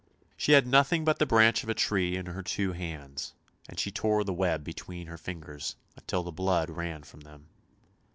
She had nothing but the branch of a tree and her two hands, and she tore the web between her fingers till the blood ran from them.